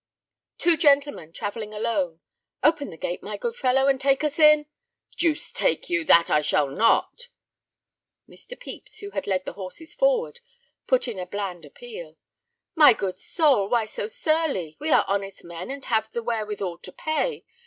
"Two gentlemen travelling alone. Open the gate, my good fellow, and take us in—" "Deuce take you, that I shall not." Mr. Pepys, who had led the horses forward, put in a bland appeal. "My good soul, why so surly? We are honest men and have the wherewithal to pay.